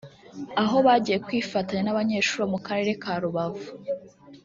aho bagiye kwifatanya n’abanyeshuri bo mu karere ka Rubavu